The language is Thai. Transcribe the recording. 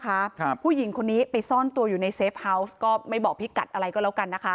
ครับผู้หญิงคนนี้ไปซ่อนตัวอยู่ในเซฟเฮาวส์ก็ไม่บอกพี่กัดอะไรก็แล้วกันนะคะ